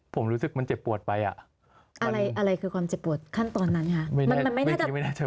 ผมรู้สึกมันเจ็บปวดไปอ่ะ